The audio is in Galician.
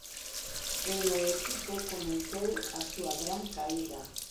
En o equipo comezou a súa gran caída.